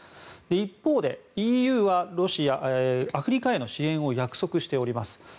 一方でＥＵはアフリカへの支援を約束しております。